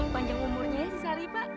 panjang umurnya ya si sari pak